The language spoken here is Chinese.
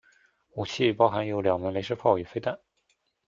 武器包含有两门雷射炮与飞弹。